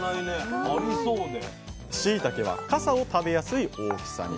しいたけは傘を食べやすい大きさに。